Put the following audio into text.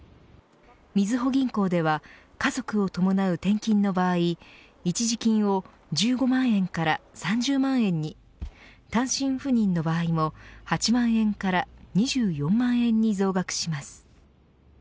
みずほ銀行では家族を伴う転勤の場合一時金を１５万円から３０万円に単身赴任の場合も８万円から２４万円に増額します。